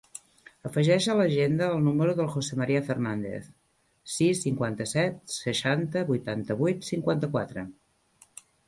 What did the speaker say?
Afegeix a l'agenda el número del José maria Fernandez: sis, cinquanta-set, seixanta, vuitanta-vuit, cinquanta-quatre.